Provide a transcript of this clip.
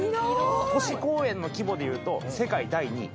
都市公園の規模でいうと世界第２位。